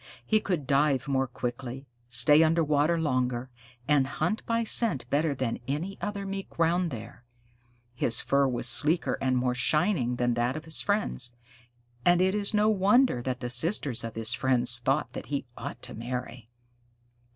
He could dive more quickly, stay under water longer, and hunt by scent better than any other Mink round there. His fur was sleeker and more shining than that of his friends, and it is no wonder that the sisters of his friends thought that he ought to marry.